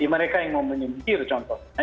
mereka yang mau menyembir contohnya